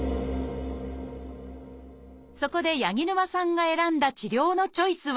そこで八木沼さんが選んだ治療のチョイスは？